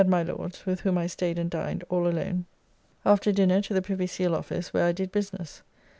] at my Lord's, with whom I staid and dined, all alone; after dinner to the Privy Seal Office, where I did business.